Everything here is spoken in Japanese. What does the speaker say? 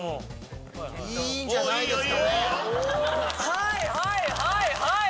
はいはいはいはい！